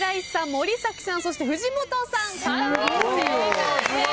森崎さんそして藤本さん３人正解です。